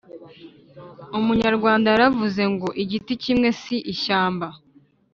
Umunyarwanda yaravuze ngo : “Igiti kimwe si ishyamba”